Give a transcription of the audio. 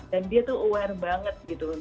dan dia tuh aware banget gitu